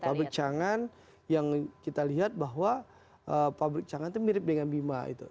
pabrik cangan yang kita lihat bahwa pabrik cangan itu mirip dengan bima itu